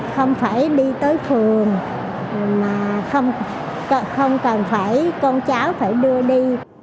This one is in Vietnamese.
không phải đi tới phường mà không cần phải con cháu phải đưa đi